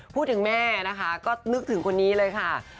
พูดถึงแม่นะคะก็นึกถึงคนนี้เลยค่ะ